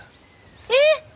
えっ！？